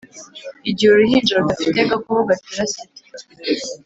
igihe uruhinja rudafite gakoko gatera sida,